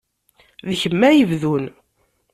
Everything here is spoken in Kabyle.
D kemm ara yebdun.